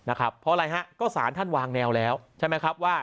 นะครับเพราะอะไรฮะก็สารท่านวางแนวแล้วใช่ไหมครับว่า